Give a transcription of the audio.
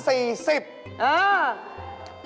อีก๓๕